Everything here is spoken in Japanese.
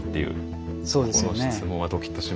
この質問はドキッとしますよね。